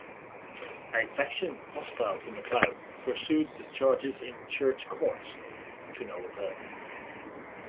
A faction hostile to Macleod pursued the charges in church courts, to no avail.